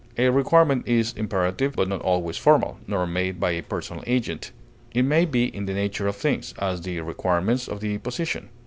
A requirement is imperative, but not always formal, nor made by a personal agent; it may be in the nature of things; as, the requirements of the position.